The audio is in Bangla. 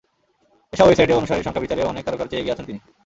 এসব ওয়েবসাইটে অনুসারীর সংখ্যার বিচারেও অনেক তারকার চেয়ে এগিয়ে আছেন তিনি।